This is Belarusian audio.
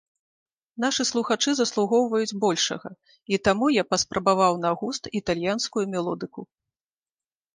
Нашы слухачы заслугоўваюць большага, і таму я паспрабаваў на густ італьянскую мелодыку.